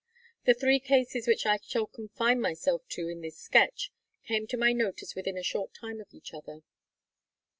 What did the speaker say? The three cases which I shall confine myself to in this Sketch, came to my notice within a short time of each other.